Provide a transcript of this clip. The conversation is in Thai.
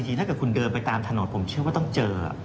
ถ้าเกิดคุณเดินไปตามถนนผมเชื่อว่าต้องเจอ